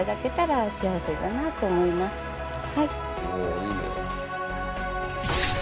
いいね。